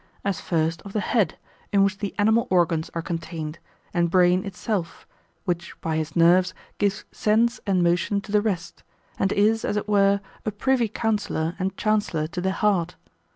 As first of the head, in which the animal organs are contained, and brain itself, which by his nerves give sense and motion to the rest, and is, as it were, a privy counsellor and chancellor to the heart.